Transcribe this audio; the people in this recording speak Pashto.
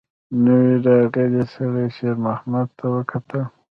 نوي راغلي سړي شېرمحمد ته وکتل.